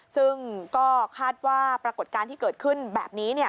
ซึ่งก็คาดว่าปรากฏการณ์ที่เกิดขึ้นแบบนี้